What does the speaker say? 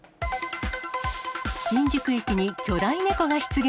新宿駅に巨大猫が出現。